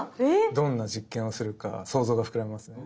どんな実験をするか想像が膨らみますね。